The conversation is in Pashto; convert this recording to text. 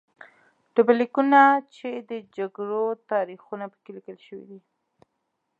ډبرلیکونه چې د جګړو تاریخونه په کې لیکل شوي